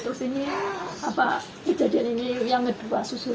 terus ini apa kejadian ini yang kedua susu